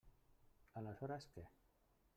Aleshores, què?